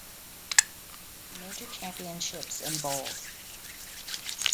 Major championships in bold.